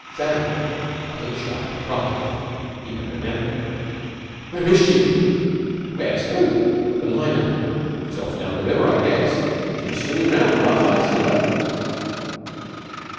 Sam uttered a sharp cry. He had remembered. "Where is she?" "Where's who?" "The liner." "She's off down the river, I guess. She was swinging round, the last I seen of her."